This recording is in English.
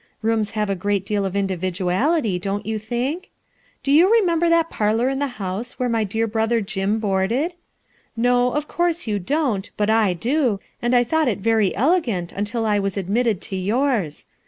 Room* Iiavo a great deal of individuality! don't you think? Do you rcmanl* t that patlor in the houw wluro my ijpar brother Jim lioanletl? No, 4 if course you dun't, hut I do, and I thought it very elegant iralil I wa* admitted to youri*.